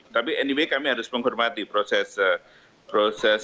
tapi anyway kami harus menghormati proses